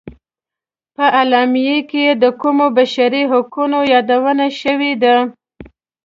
په اعلامیه کې د کومو بشري حقونو یادونه شوې ده.